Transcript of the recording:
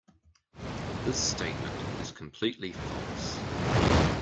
This statement is completely false.